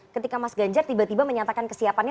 ketika mas ganjar tiba tiba menyatakan kesiapannya